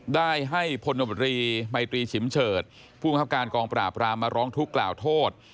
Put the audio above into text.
ได้ให้พลบตรีมัยตรีฉิมเฉิดผู้มังคับการกองปราบรามมาร้องทุกข์กล่าวโทษ